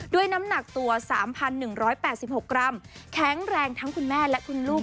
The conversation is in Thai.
น้ำหนักตัว๓๑๘๖กรัมแข็งแรงทั้งคุณแม่และคุณลูก